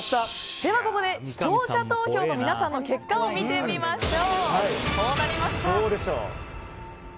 ではここで視聴者投票の皆さんの結果を見てみましょう。